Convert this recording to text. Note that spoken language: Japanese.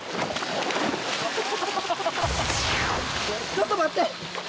ちょっと待って！